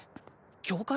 教会？